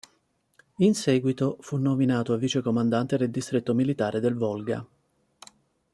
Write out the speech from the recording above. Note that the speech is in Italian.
In seguito fu nominato a vice-comandante del Distretto militare del Volga.